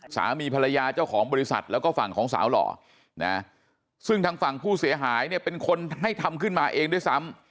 สามีภรรยาเจ้าของบริษัทแล้วก็ฝั่งของสาวหล่อนะซึ่งทางฝั่งผู้เสียหายเนี่ยเป็นคนให้ทำขึ้นมาเองด้วยซ้ำ